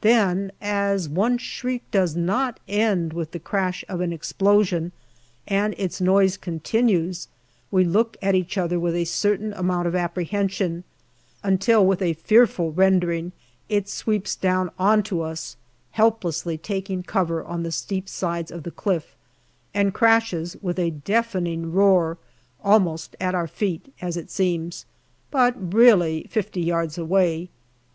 Then, as one shriek does not end with the crash of an explosion and its noise continues, we look at each other with a certain amount of apprehension, until with a fearful rending it sweeps down on to us, helplessly taking cover on the steep sides of the cliff, and crashes with a deafening roar almost at our feet, as it seems, but really fifty yards away.